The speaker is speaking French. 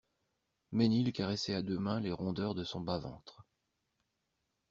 Mesnil caressait à deux mains les rondeurs de son bas-ventre.